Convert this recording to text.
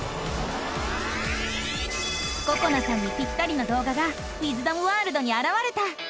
ここなさんにピッタリのどう画がウィズダムワールドにあらわれた！